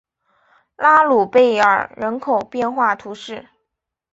拉卢贝尔人口变化图示